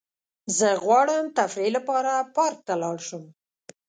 زه غواړم تفریح لپاره پارک ته لاړ شم.